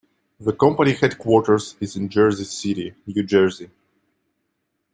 The company headquarters is in Jersey City, New Jersey.